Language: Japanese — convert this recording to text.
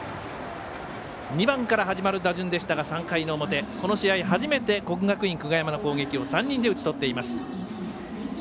２番から始まる打順でしたが３回の表、この試合初めて国学院久我山の攻撃を３人で打ち取っています。